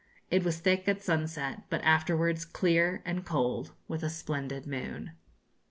It was thick at sunset, but afterwards clear and cold, with a splendid moon.